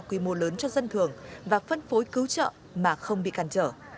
qua quy mô lớn cho dân thường và phân phối cứu trợ mà không bị căn trở